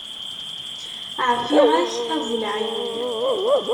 Ɛfiɣ-ak a bu leɛyun.